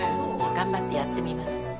頑張ってやってみます。